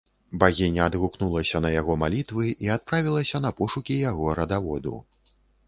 Багіня адгукнулася на яго малітвы і адправілася на пошукі яго радаводу.